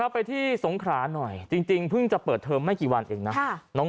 ไปที่สงขราหน่อยจริงเพิ่งจะเปิดเทอมไม่กี่วันเองนะ